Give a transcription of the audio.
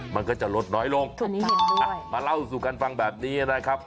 มันก็จะลดน้อยลงมาเล่าสู่กันฟังแบบนี้นะครับ